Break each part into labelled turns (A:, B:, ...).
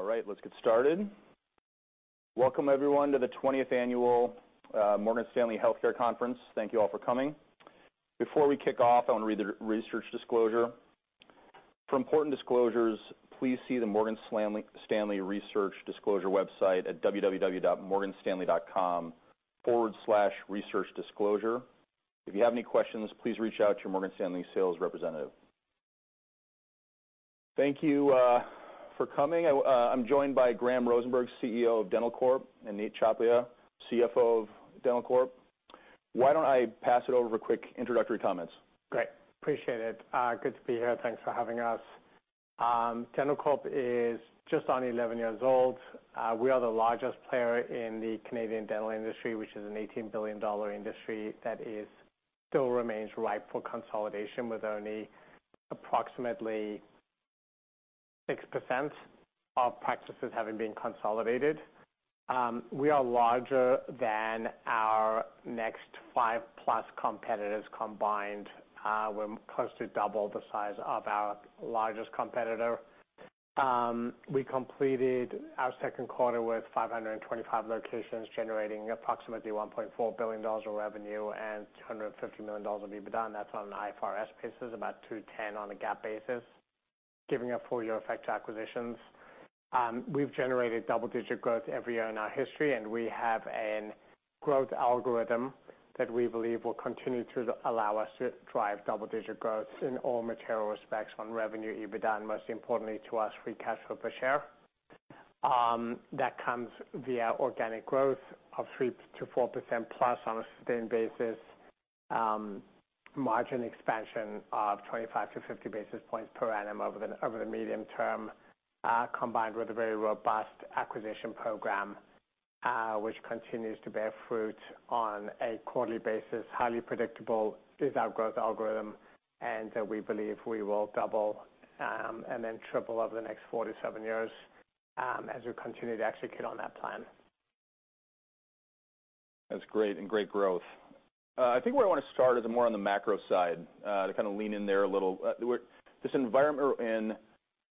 A: All right, let's get started. Welcome everyone to the 20th annual Morgan Stanley Healthcare Conference. Thank you all for coming. Before we kick off, I wanna read the research disclosure. For important disclosures, please see the Morgan Stanley Research Disclosure website at www.morganstanley.com/researchdisclosure. If you have any questions, please reach out to your Morgan Stanley sales representative. Thank you for coming. I'm joined by Graham Rosenberg, CEO of Dentalcorp, and Nate Tchaplia, CFO of Dentalcorp. Why don't I pass it over for quick introductory comments?
B: Great. Appreciate it. Good to be here. Thanks for having us. Dentalcorp is just on 11 years old. We are the largest player in the Canadian dental industry, which is a 18 billion dollar industry that still remains ripe for consolidation, with only approximately 6% of practices having been consolidated. We are larger than our next 5+ competitors combined. We're close to double the size of our largest competitor. We completed our second quarter with 525 locations, generating approximately 1.4 billion dollars of revenue and 250 million dollars of EBITDA. That's on an IFRS basis, about 210 million on a GAAP basis, giving a full year effect to acquisitions. We've generated double-digit growth every year in our history, and we have a growth algorithm that we believe will continue to allow us to drive double-digit growth in all material respects on revenue, EBITDA, and most importantly to us, free cash flow per share. That comes via organic growth of 3%-4% on a sustained basis, margin expansion of 25-50 basis points per annum over the medium term, combined with a very robust acquisition program, which continues to bear fruit on a quarterly basis. Highly predictable is our growth algorithm, and we believe we will double, and then triple over the next four to seven years, as we continue to execute on that plan.
A: That's great and great growth. I think where I wanna start is more on the macro side, to kind of lean in there a little. This environment and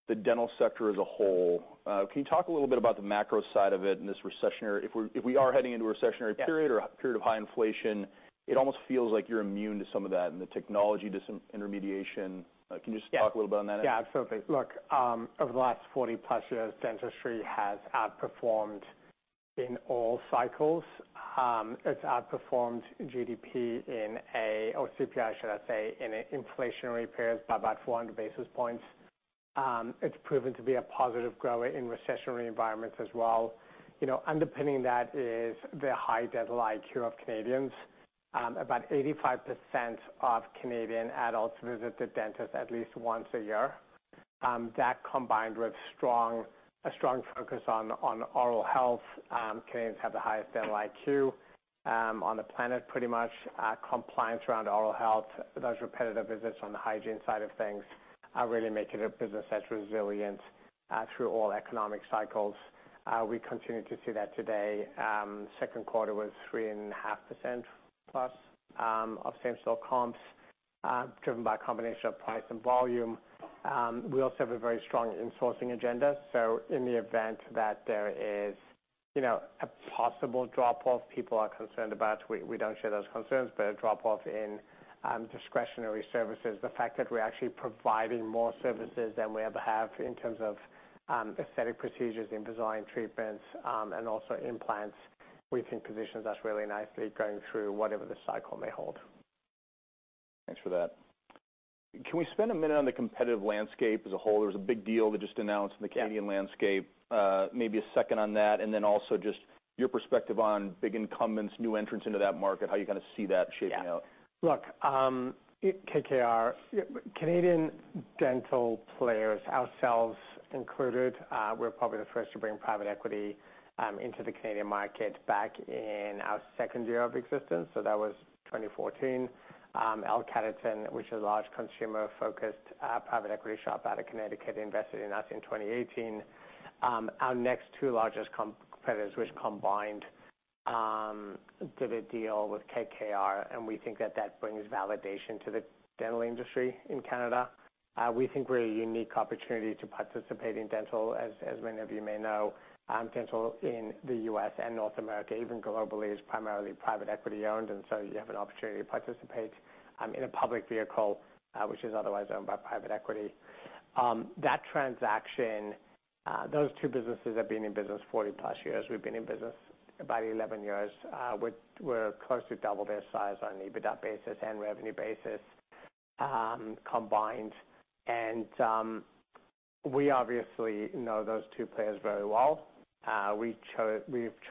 A: the dental sector as a whole, can you talk a little bit about the macro side of it if we are heading into a recessionary period.
B: Yeah.
A: For a period of high inflation, it almost feels like you're immune to some of that and the technology disintermediation. Can you just talk a little bit on that?
B: Yeah. Yeah, absolutely. Look, over the last 40-plus years, dentistry has outperformed in all cycles. It's outperformed GDP or CPI, should I say, in inflationary periods by about 400 basis points. It's proven to be a positive grower in recessionary environments as well. You know, underpinning that is the high dental IQ of Canadians. About 85% of Canadian adults visit the dentist at least once a year. That combined with a strong focus on oral health, Canadians have the highest dental IQ on the planet, pretty much. Compliance around oral health, those repetitive visits on the hygiene side of things, really make it a business that's resilient through all economic cycles. We continue to see that today. Second quarter was 3.5%+ of same-store comps, driven by a combination of price and volume. We also have a very strong insourcing agenda. In the event that there is, you know, a possible drop-off people are concerned about, we don't share those concerns, but a drop-off in discretionary services, the fact that we're actually providing more services than we ever have in terms of aesthetic procedures and design treatments, and also implants, we think positions us really nicely going through whatever the cycle may hold.
A: Thanks for that. Can we spend a minute on the competitive landscape as a whole? There was a big deal that just announced in the Canadian landscape. Maybe a second on that, and then also just your perspective on big incumbents, new entrants into that market, how you kinda see that shaping out.
B: Yeah. Look, KKR, Canadian dental players, ourselves included, we're probably the first to bring private equity into the Canadian market back in our second year of existence. That was 2014. L Catterton, which is a large consumer-focused private equity shop out of Connecticut, invested in us in 2018. Our next two largest competitors, which combined, did a deal with KKR, and we think that brings validation to the dental industry in Canada. We think we're a unique opportunity to participate in dental. As many of you may know, dental in the U.S. and North America, even globally, is primarily private equity owned, and so you have an opportunity to participate in a public vehicle, which is otherwise owned by private equity. That transaction, those two businesses have been in business 40+ years. We've been in business about 11 years. We're close to double their size on an EBITDA basis and revenue basis, combined. We obviously know those two players very well. We've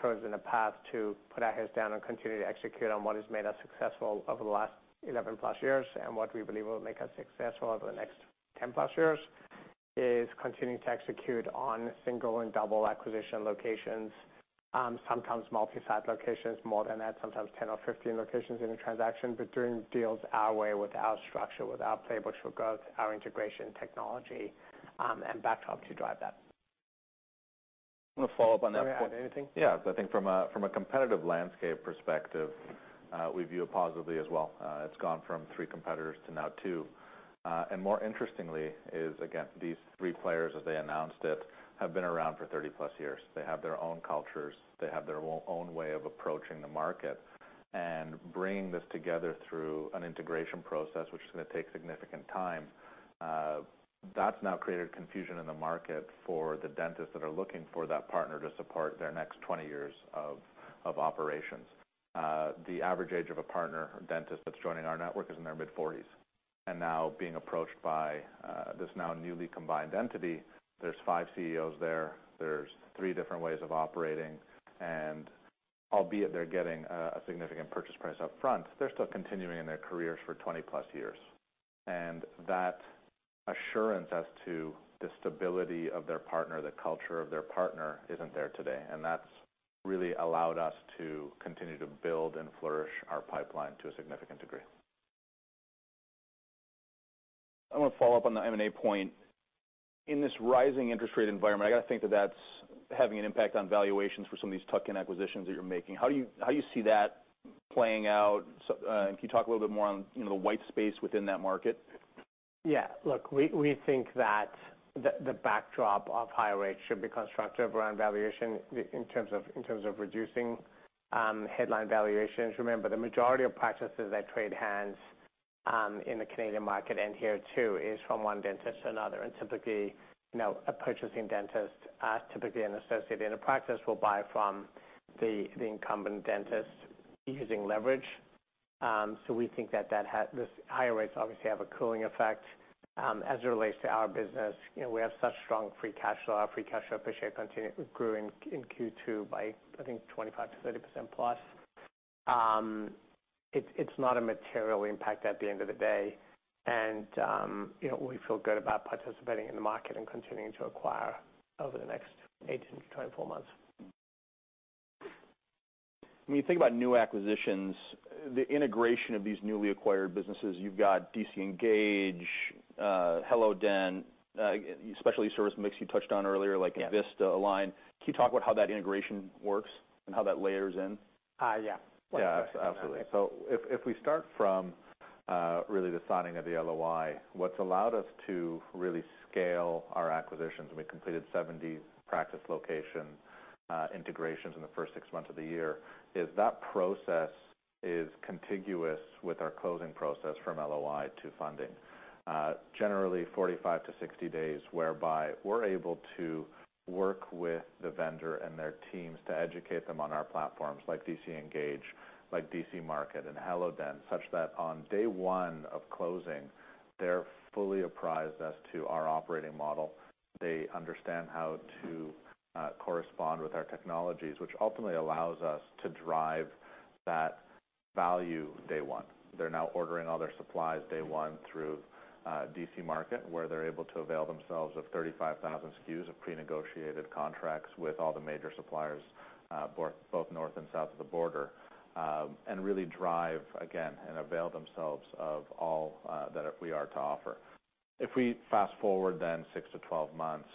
B: chosen a path to put our heads down and continue to execute on what has made us successful over the last 11-plus years. What we believe will make us successful over the next 10-plus years is continuing to execute on single and double acquisition locations, sometimes multi-site locations, more than that, sometimes 10 or 15 locations in a transaction, but doing deals our way with our structure, with our playbook for growth, our integration technology, and backdrop to drive that.
C: I'm gonna follow up on that point.
B: Can I add anything?
C: Yeah. I think from a competitive landscape perspective, we view it positively as well. It's gone from three competitors to now two. More interestingly is, again, these three players, as they announced it, have been around for 30+ years. They have their own cultures. They have their own way of approaching the market. Bringing this together through an integration process, which is gonna take significant time, that's now created confusion in the market for the dentists that are looking for that partner to support their next 20 years of operations. The average age of a partner dentist that's joining our network is in their mid-40s, and now being approached by this now newly combined entity. There's five CEOs there. There's three different ways of operating. Albeit they're getting a significant purchase price up front, they're still continuing in their careers for 20+ years. That assurance as to the stability of their partner, the culture of their partner isn't there today. That's really allowed us to continue to build and flourish our pipeline to a significant degree.
A: I wanna follow up on the M&A point. In this rising interest rate environment, I gotta think that that's having an impact on valuations for some of these tuck-in acquisitions that you're making. How do you see that playing out? Can you talk a little bit more on, you know, the white space within that market?
B: Yeah. Look, we think that the backdrop of higher rates should be constructive around valuation in terms of reducing headline valuations. Remember, the majority of practices that trade hands in the Canadian market and here too is from one dentist to another. Typically, you know, a purchasing dentist, typically an associate in a practice will buy from the incumbent dentist using leverage. So we think that those higher rates obviously have a cooling effect as it relates to our business. You know, we have such strong free cash flow. Our free cash flow per share grew in Q2 by, I think, 25%-30% plus. It's not a material impact at the end of the day. You know, we feel good about participating in the market and continuing to acquire over the next 18-24 months.
A: When you think about new acquisitions, the integration of these newly acquired businesses, you've got DC Engage, hellodent, specialty service mix you touched on earlier.
B: Yeah.
A: Like Envista, Align. Can you talk about how that integration works and how that layers in?
B: Yeah.
C: Yeah. Absolutely. If we start from really the signing of the LOI, what's allowed us to really scale our acquisitions, and we completed 70 practice location integrations in the first six months of the year, is that process contiguous with our closing process from LOI to funding. Generally 45-60 days whereby we're able to work with the vendor and their teams to educate them on our platforms like DC Engage, like DC Market and hellodent, such that on day one of closing, they're fully apprised as to our operating model. They understand how to correspond with our technologies, which ultimately allows us to drive that value day one. They're now ordering all their supplies day one through DC Market, where they're able to avail themselves of 35,000 SKUs of prenegotiated contracts with all the major suppliers, both north and south of the border, and really drive again and avail themselves of all that we are to offer. If we fast-forward then six to 12 months,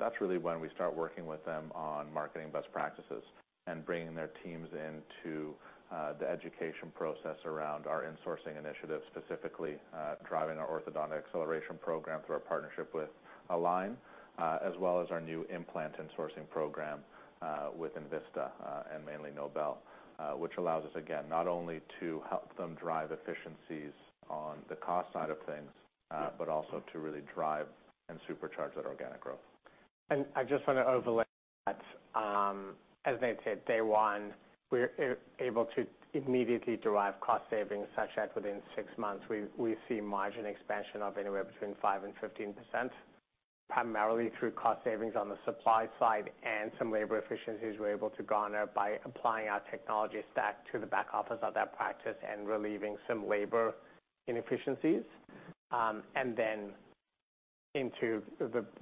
C: that's really when we start working with them on marketing best practices and bringing their teams into the education process around our insourcing initiatives, specifically driving our Orthodontics Acceleration Program through our partnership with Align, as well as our new implant insourcing program with Envista and mainly Nobel. Which allows us, again, not only to help them drive efficiencies on the cost side of things, but also to really drive and supercharge that organic growth.
B: I just wanna overlay that, as Nate said, day one, we're able to immediately derive cost savings, such that within six months, we see margin expansion of anywhere between 5%-15%, primarily through cost savings on the supply side and some labor efficiencies we're able to garner by applying our technology stack to the back office of that practice and relieving some labor inefficiencies. Then into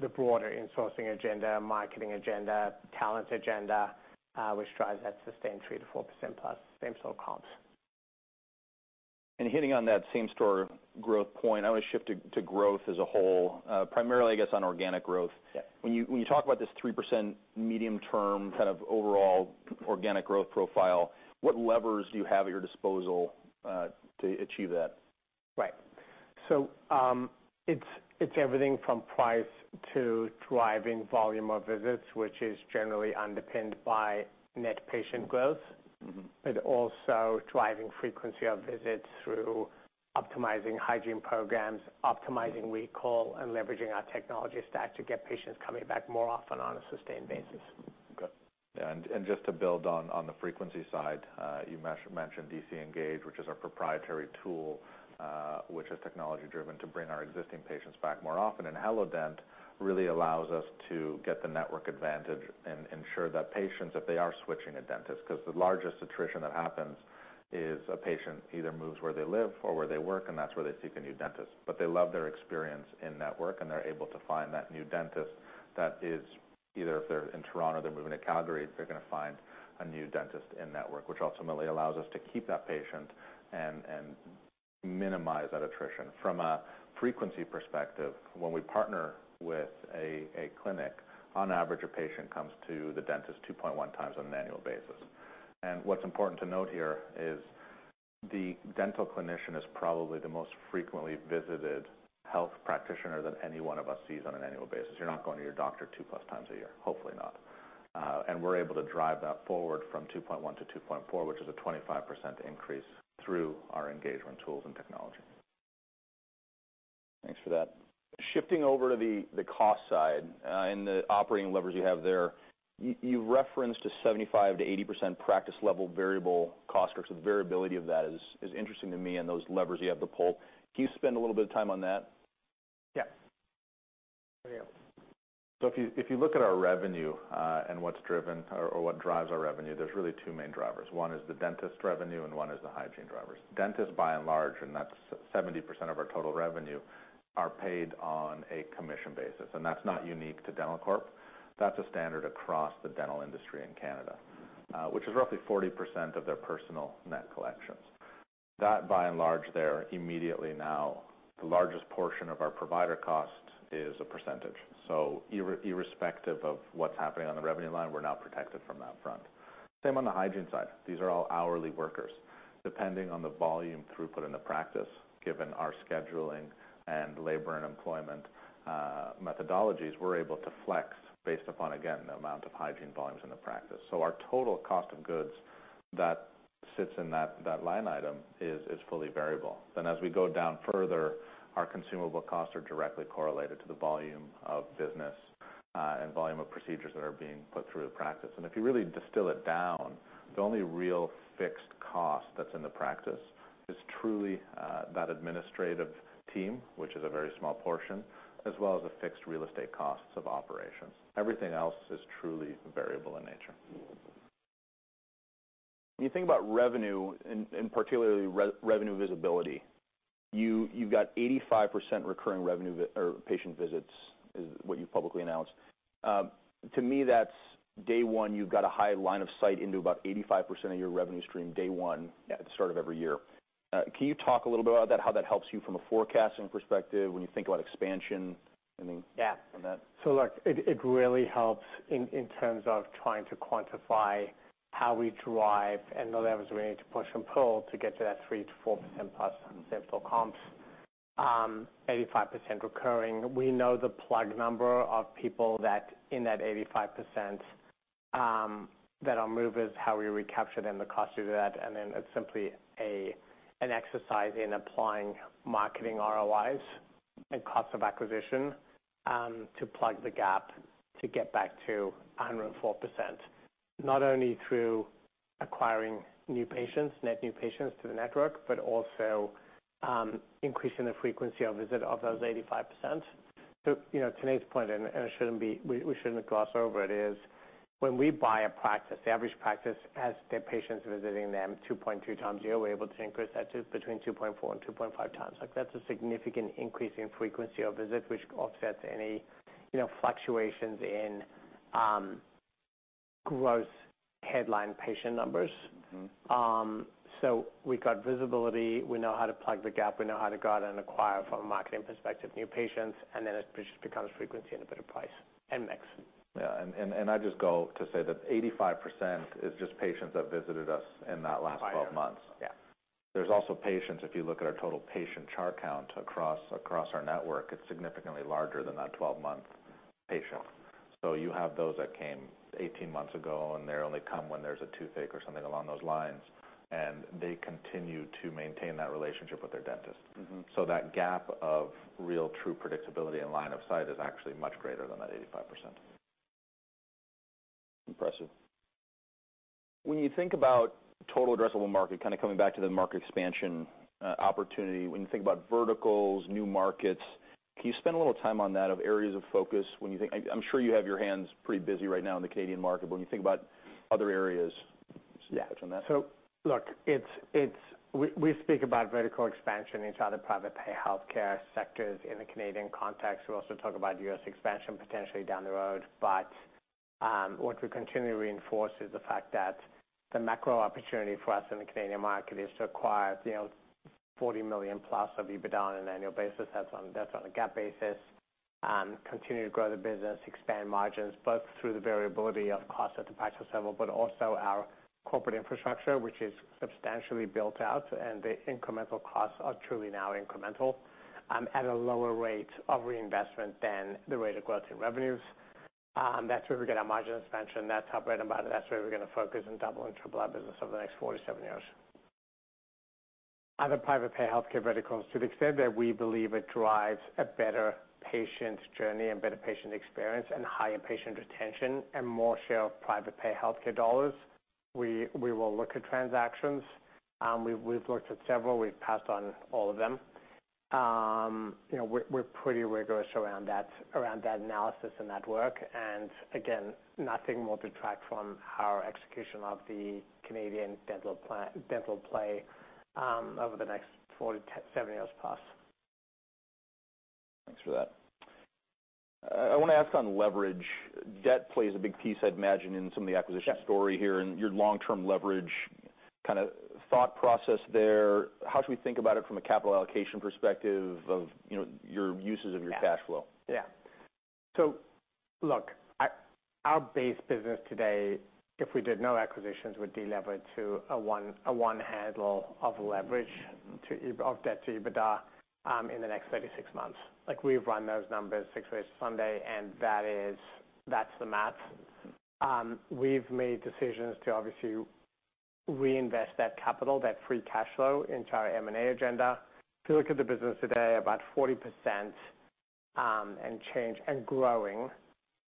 B: the broader insourcing agenda, marketing agenda, talent agenda, which drives that sustained 3%-4%+ same store comps.
A: Hitting on that same store growth point, I wanna shift to growth as a whole, primarily I guess on organic growth.
B: Yeah.
A: When you talk about this 3% medium term kind of overall organic growth profile, what levers do you have at your disposal to achieve that?
B: Right. It's everything from price to driving volume of visits, which is generally underpinned by net patient growth.
A: Mm-hmm.
B: Also driving frequency of visits through optimizing hygiene programs, optimizing recall, and leveraging our technology stack to get patients coming back more often on a sustained basis.
A: Okay.
C: Yeah. Just to build on the frequency side, you mentioned DC Engage, which is our proprietary tool, which is technology driven to bring our existing patients back more often. hellodent really allows us to get the network advantage and ensure that patients, if they are switching a dentist, 'cause the largest attrition that happens is a patient either moves where they live or where they work, and that's where they seek a new dentist. They love their experience in network, and they're able to find that new dentist that is either if they're in Toronto, they're moving to Calgary, they're gonna find a new dentist in network, which ultimately allows us to keep that patient and. Minimize that attrition. From a frequency perspective, when we partner with a clinic, on average, a patient comes to the dentist 2.1 times on an annual basis. What's important to note here is the dental clinician is probably the most frequently visited health practitioner that any one of us sees on an annual basis. You're not going to your doctor 2+ times a year, hopefully not. We're able to drive that forward from 2.1 to 2.4, which is a 25% increase through our engagement tools and technology.
A: Thanks for that. Shifting over to the cost side and the operating levers you have there. You referenced a 75%-80% practice level variable cost, so the variability of that is interesting to me and those levers you have to pull. Can you spend a little bit of time on that?
C: If you look at our revenue and what drives our revenue, there's really two main drivers. One is the dentist revenue, and one is the hygiene drivers. Dentists, by and large, and that's 70% of our total revenue, are paid on a commission basis, and that's not unique to Dentalcorp. That's a standard across the dental industry in Canada, which is roughly 40% of their personal net collections. That, by and large, they're immediately now the largest portion of our provider cost is a percentage. Irrespective of what's happening on the revenue line, we're now protected from that front. Same on the hygiene side. These are all hourly workers. Depending on the volume throughput in the practice, given our scheduling and labor and employment methodologies, we're able to flex based upon, again, the amount of hygiene volumes in the practice. Our total cost of goods that sits in that line item is fully variable. As we go down further, our consumable costs are directly correlated to the volume of business and volume of procedures that are being put through the practice. If you really distill it down, the only real fixed cost that's in the practice is truly that administrative team, which is a very small portion, as well as the fixed real estate costs of operations. Everything else is truly variable in nature.
A: When you think about revenue, and particularly revenue visibility, you've got 85% recurring revenue or patient visits is what you've publicly announced. To me, that's day one, you've got a high line of sight into about 85% of your revenue stream day one at the start of every year. Can you talk a little bit about that, how that helps you from a forecasting perspective when you think about expansion? I mean.
B: Yeah.
A: On that.
B: Look, it really helps in terms of trying to quantify how we drive and the levers we need to push and pull to get to that 3%-4%+ dental comps. 85% recurring. We know the plug number of people that in that 85%, that are movers, how we recapture them, the cost to do that, and then it's simply an exercise in applying marketing ROIs and cost of acquisition to plug the gap to get back to 104%, not only through acquiring new patients, net new patients to the network, but also increasing the frequency of visit of those 85%. You know, to Nate's point, we shouldn't gloss over it. When we buy a practice, the average practice has their patients visiting them 2.2 times a year. We're able to increase that to between 2.4 and 2.5 times. Like, that's a significant increase in frequency of visits, which offsets any, you know, fluctuations in gross headline patient numbers.
A: Mm-hmm.
B: We've got visibility. We know how to plug the gap. We know how to go out and acquire from a marketing perspective, new patients, and then it just becomes frequency and a better price and mix.
C: I just got to say that 85% is just patients that visited us in that last twelve months.
B: Yeah.
C: There's also patients. If you look at our total patient chart count across our network, it's significantly larger than that 12-month patient. You have those that came 18 months ago, and they only come when there's a toothache or something along those lines, and they continue to maintain that relationship with their dentist.
A: Mm-hmm.
C: That gap of real true predictability and line of sight is actually much greater than that 85%.
A: Impressive. When you think about total addressable market, kinda coming back to the market expansion, opportunity, when you think about verticals, new markets, can you spend a little time on that, of areas of focus. I'm sure you have your hands pretty busy right now in the Canadian market, but when you think about other areas?
B: Yeah.
A: Touch on that.
B: Look, we speak about vertical expansion into other private pay healthcare sectors in the Canadian context. We also talk about U.S. expansion potentially down the road. What we continually reinforce is the fact that the macro opportunity for us in the Canadian market is to acquire, you know, 40 million+ of EBITDA on an annual basis. That's on a GAAP basis. Continue to grow the business, expand margins, both through the variability of cost at the practice level, but also our corporate infrastructure, which is substantially built out, and the incremental costs are truly now incremental, at a lower rate of reinvestment than the rate of growth in revenues. That's where we get our margin expansion. That's how, right about it, that's where we're gonna focus and double and triple our business over the next four to seven years. Other private pay healthcare verticals, to the extent that we believe it drives a better patient journey and better patient experience and higher patient retention and more share of private pay healthcare dollars, we will look at transactions. We've looked at several. We've passed on all of them. You know, we're pretty rigorous around that analysis and that work. Again, nothing will detract from our execution of the Canadian dental play over the next four to seven years plus.
A: Thanks for that. I wanna ask on leverage. Debt plays a big piece, I'd imagine, in some of the acquisition.
B: Yeah
A: The story here, and your long-term leverage kind of thought process there. How should we think about it from a capital allocation perspective of, you know, your uses of your cash flow?
B: Our base business today, if we did no acquisitions, would de-leverage to a one handle of leverage of debt to EBITDA in the next 36 months. Like, we've run those numbers six ways to Sunday, and that's the math. We've made decisions to obviously reinvest that capital, that free cash flow into our M&A agenda. If you look at the business today, about 40% and change and growing,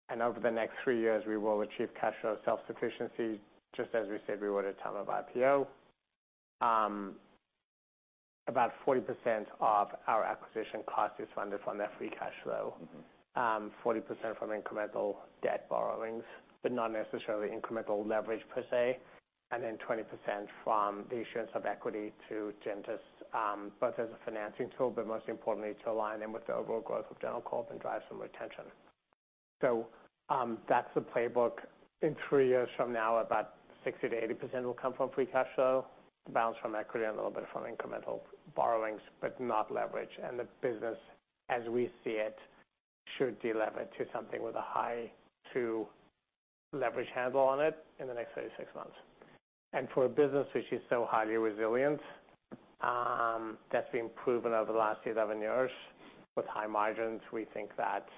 B: and over the next three years, we will achieve cash flow self-sufficiency, just as we said we would at time of IPO. About 40% of our acquisition cost is funded from that free cash flow.
A: Mm-hmm.
B: 40% from incremental debt borrowings, but not necessarily incremental leverage per se, and then 20% from the issuance of equity to dentists, both as a financing tool, but most importantly to align them with the overall growth of Dentalcorp and drive some retention. That's the playbook. In three years from now, about 60%-80% will come from free cash flow, the balance from equity and a little bit from incremental borrowings, but not leverage. The business, as we see it, should de-leverage to something with a high two leverage handle on it in the next 36 months. For a business which is so highly resilient, that's been proven over the last eight, 11 years with high margins, we think that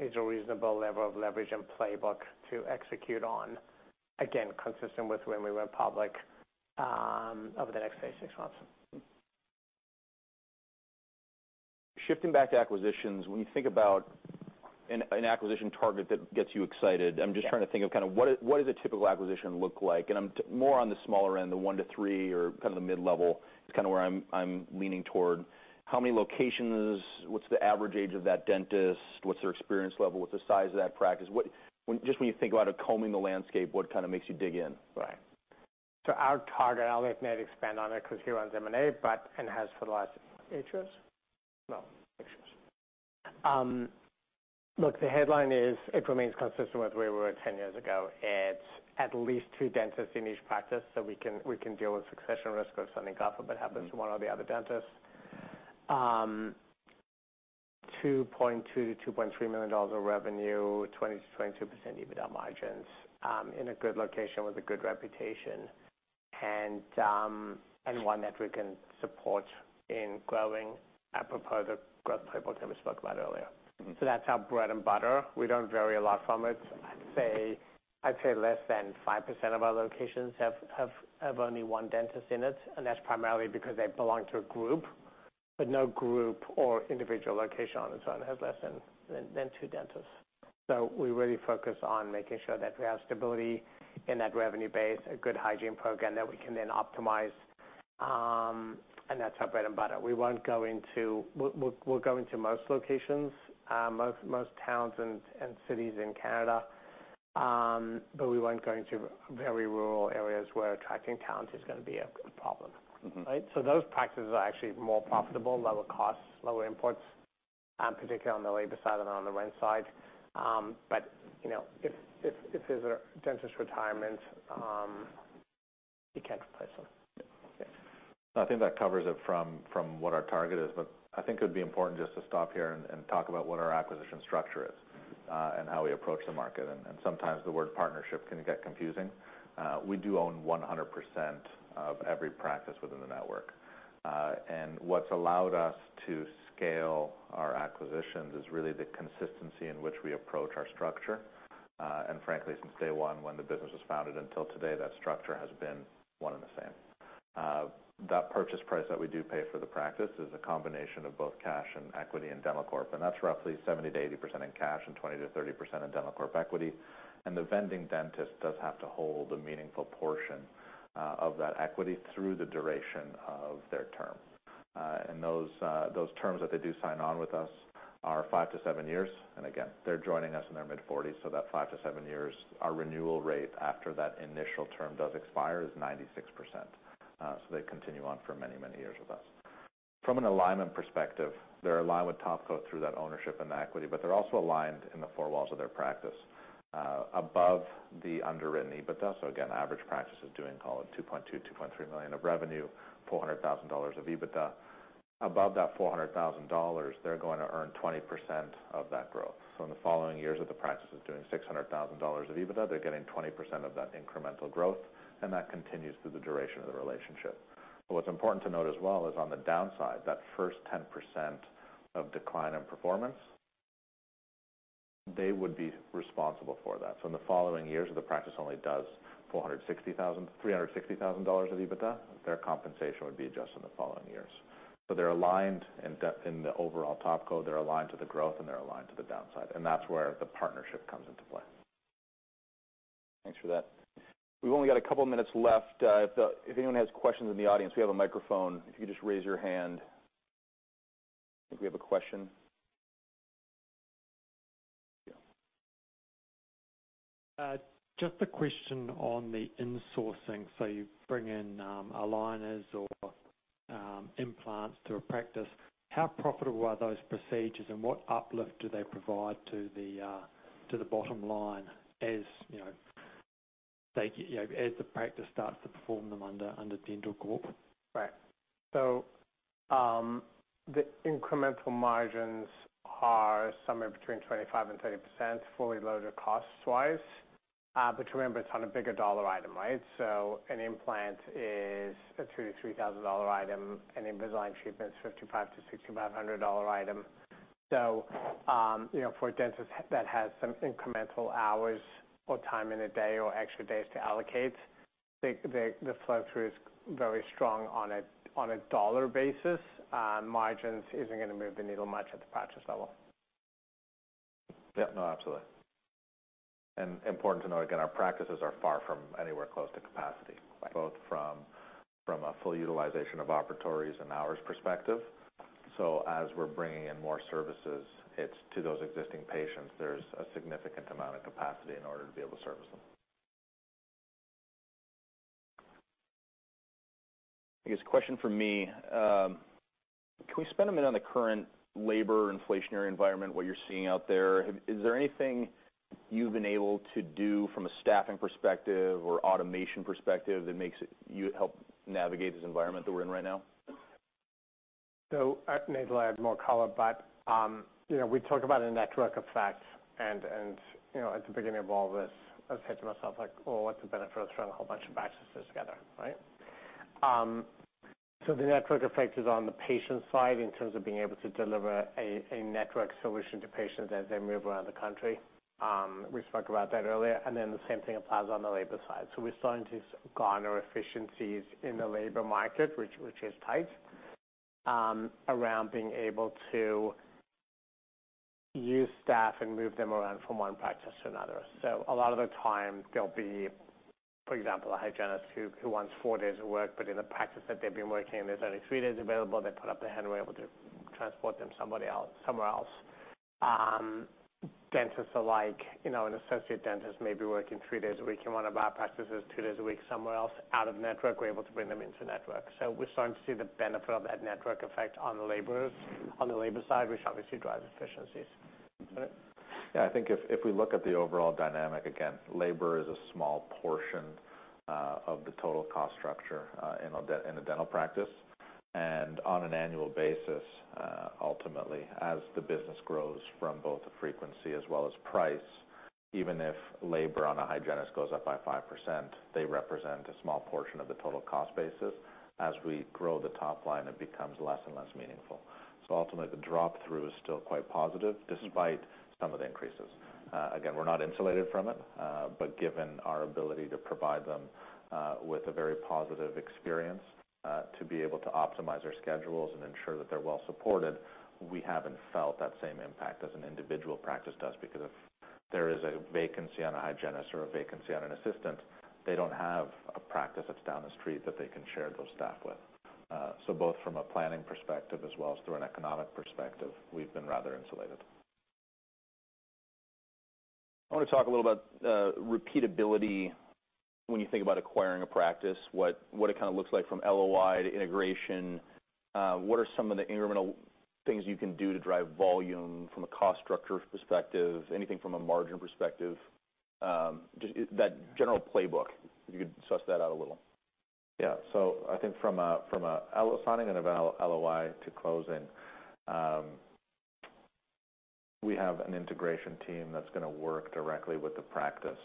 B: is a reasonable level of leverage and playbook to execute on, again, consistent with when we went public, over the next 36 months.
A: Shifting back to acquisitions, when you think about an acquisition target that gets you excited?
B: Yeah
A: I'm just trying to think of kind of what a typical acquisition looks like. I'm more on the smaller end, the one to three or kind of the mid-level is kind of where I'm leaning toward. How many locations? What's the average age of that dentist? What's their experience level? What's the size of that practice? What, when you think about it, combing the landscape, what kind of makes you dig in?
B: Right. Our target, I'll let Nate expand on it because he runs M&A and has for the last eight years. Look, the headline is it remains consistent with where we were 10 years ago. It's at least two dentists in each practice, so we can deal with succession risk or something awful that happens to one or the other dentist. 2.2 million-2.3 million dollars of revenue, 20%-22% EBITDA margins, in a good location with a good reputation and one that we can support in growing apropos the growth playbook that we spoke about earlier.
A: Mm-hmm.
B: That's our bread and butter. We don't vary a lot from it. I'd say less than 5% of our locations have only one dentist in it, and that's primarily because they belong to a group. No group or individual location on its own has less than two dentists. We really focus on making sure that we have stability in that revenue base, a good hygiene program that we can then optimize, and that's our bread and butter. We'll go into most locations, most towns and cities in Canada, but we won't go into very rural areas where attracting talent is gonna be a problem.
A: Mm-hmm.
B: Right? Those practices are actually more profitable, lower costs, lower imports, particularly on the labor side and on the rent side. You know, if there's a dentist retirement, you can't replace them.
A: Yeah.
B: Yeah.
C: I think that covers it from what our target is. I think it would be important just to stop here and talk about what our acquisition structure is, and how we approach the market. Sometimes the word partnership can get confusing. We do own 100% of every practice within the network. What's allowed us to scale our acquisitions is really the consistency in which we approach our structure. Frankly, since day one when the business was founded until today, that structure has been one and the same. That purchase price that we do pay for the practice is a combination of both cash and equity in Dentalcorp, and that's roughly 70%-80% in cash and 20%-30% in Dentalcorp equity. The vending dentist does have to hold a meaningful portion of that equity through the duration of their term. Those terms that they do sign on with us are five to seven years. They're joining us in their mid-40s, so that five to seven years, our renewal rate after that initial term does expire is 96%. They continue on for many, many years with us. From an alignment perspective, they're aligned with Topco through that ownership and the equity, but they're also aligned in the four walls of their practice above the underwritten EBITDA. Average practice is doing call it 2.2 million-2.3 million of revenue, 400,000 dollars of EBITDA. Above that 400,000 dollars, they're going to earn 20% of that growth. In the following years of the practice is doing 600,000 dollars of EBITDA, they're getting 20% of that incremental growth, and that continues through the duration of the relationship. What's important to note as well is on the downside, that first 10% of decline in performance, they would be responsible for that. In the following years, if the practice only does 460,000, 360,000 dollars of EBITDA, their compensation would be adjusted in the following years. They're aligned in the overall Topco, they're aligned to the growth, and they're aligned to the downside, and that's where the partnership comes into play.
A: Thanks for that. We've only got a couple minutes left. If anyone has questions in the audience, we have a microphone, if you could just raise your hand. I think we have a question. Yeah.
D: Just a question on the insourcing. You bring in aligners or implants to a practice. How profitable are those procedures and what uplift do they provide to the bottom line as, you know, they, you know, as the practice starts to perform them under dentalcorp?
B: Right. The incremental margins are somewhere between 25% and 30%, fully loaded cost-wise. But remember, it's on a bigger dollar item, right? An implant is a 2,000-3,000 dollar item. An Invisalign treatment is 5,500-6,500 dollar item. You know, for a dentist that has some incremental hours or time in a day or extra days to allocate, the flow-through is very strong on a dollar basis. Margins isn't gonna move the needle much at the practice level.
C: Yep, no, absolutely. Important to know, again, our practices are far from anywhere close to capacity.
B: Right
C: Both from a full utilization of operatories and hours perspective. As we're bringing in more services, it's to those existing patients, there's a significant amount of capacity in order to be able to service them.
A: I guess a question from me. Can we spend a minute on the current labor inflationary environment, what you're seeing out there? Is there anything you've been able to do from a staffing perspective or automation perspective that you help navigate this environment that we're in right now?
B: Nate'll add more color, but you know, we talk about a network effect and you know, at the beginning of all this, I was saying to myself like, "Well, what's the benefit of throwing a whole bunch of practices together?" Right? The network effect is on the patient side in terms of being able to deliver a network solution to patients as they move around the country. We spoke about that earlier, and then the same thing applies on the labor side. We're starting to garner efficiencies in the labor market, which is tight, around being able to use staff and move them around from one practice to another. A lot of the time there'll be, for example, a hygienist who wants four days of work, but in the practice that they've been working, there's only three days available. They put up their hand, and we're able to transport them somewhere else. Dentists alike, you know, an associate dentist may be working three days a week in one of our practices, two days a week somewhere else out of network. We're able to bring them into network. We're starting to see the benefit of that network effect on the laborers, on the labor side, which obviously drives efficiencies.
C: Yeah, I think if we look at the overall dynamic, again, labor is a small portion of the total cost structure in a dental practice. On an annual basis, ultimately, as the business grows from both the frequency as well as price, even if labor on a hygienist goes up by 5%, they represent a small portion of the total cost basis. As we grow the top line, it becomes less and less meaningful. Ultimately, the drop-through is still quite positive despite some of the increases. Again, we're not insulated from it, but given our ability to provide them with a very positive experience, to be able to optimize their schedules and ensure that they're well supported, we haven't felt that same impact as an individual practice does, because if there is a vacancy on a hygienist or a vacancy on an assistant, they don't have a practice that's down the street that they can share those staff with. Both from a planning perspective as well as through an economic perspective, we've been rather insulated.
A: I wanna talk a little about repeatability when you think about acquiring a practice, what it kinda looks like from LOI to integration. What are some of the incremental things you can do to drive volume from a cost structure perspective? Anything from a margin perspective? Just, yeah, that general playbook, if you could suss that out a little.
C: Yeah. I think from a signing of an LOI to closing, we have an integration team that's gonna work directly with the practice,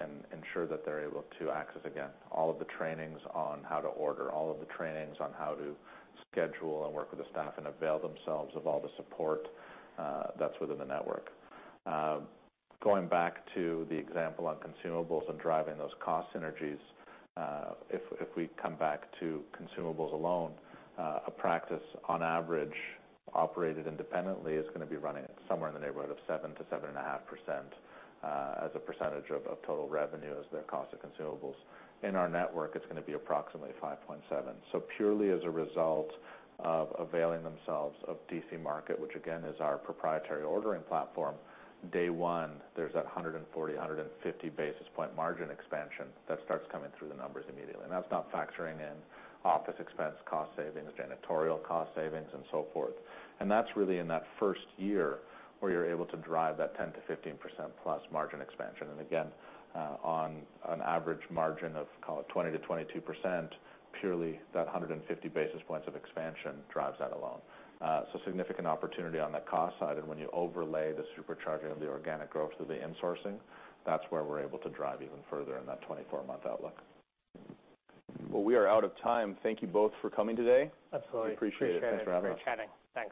C: and ensure that they're able to access, again, all of the trainings on how to order, all of the trainings on how to schedule and work with the staff and avail themselves of all the support, that's within the network. Going back to the example on consumables and driving those cost synergies, if we come back to consumables alone, a practice on average, operated independently, is gonna be running somewhere in the neighborhood of 7%-7.5% as a percentage of total revenue as their cost of consumables. In our network, it's gonna be approximately 5.7%. Purely as a result of availing themselves of DC Market, which again is our proprietary ordering platform, day one, there's that 140, 150 basis point margin expansion that starts coming through the numbers immediately. That's not factoring in office expense cost savings, janitorial cost savings, and so forth. That's really in that first year where you're able to drive that 10%-15% plus margin expansion. Again, on an average margin of, call it 20%-22%, purely that 150 basis points of expansion drives that alone. Significant opportunity on the cost side. When you overlay the supercharging of the organic growth through the insourcing, that's where we're able to drive even further in that 24-month outlook.
A: Well, we are out of time. Thank you both for coming today.
B: Absolutely.
A: We appreciate it.
B: Appreciate it.
C: Thanks for having us.
B: Great chatting. Thanks.